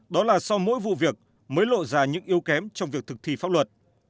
đó là sau mỗi vụ việc mới lộ ra những yếu kém trong việc thực thi pháp luật